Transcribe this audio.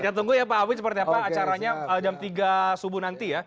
kita tunggu ya pak awi seperti apa acaranya jam tiga subuh nanti ya